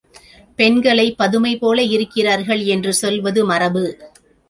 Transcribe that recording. பெண்களைப் பதுமைபோல இருக்கிறார்கள் என்று சொல்வது மரபு.